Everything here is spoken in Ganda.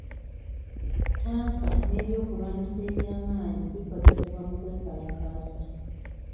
Tanka ne byokulwanyisa eby'amaanyi bikozesebwa mu kwekalakaasa.